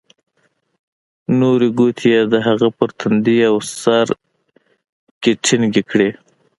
نورې گوتې يې د هغه په تندي او سر کښې ټينگې کړې.